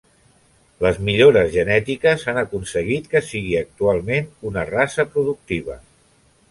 Les millores genètiques han aconseguit que sigui actualment una raça productiva.